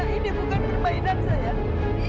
ini bukan permainan sayang